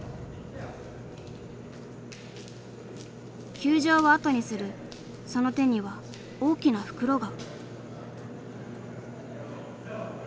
球場を後にするその手には大きな袋が。